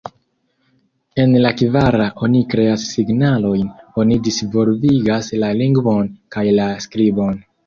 En la kvara oni kreas signalojn, oni disvolvigas la lingvon kaj la skribon.